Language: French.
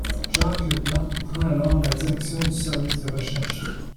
Jacques Leplat prend alors la direction du service de recherche.